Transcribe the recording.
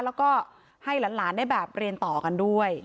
แล้วก็ให้หลานได้แบบเรียนต่อกันด้วย